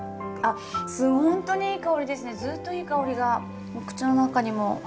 ずっといい香りが口の中にもお鼻にも。